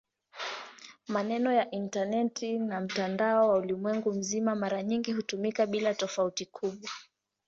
Maneno "intaneti" na "mtandao wa ulimwengu mzima" mara nyingi hutumika bila tofauti kubwa.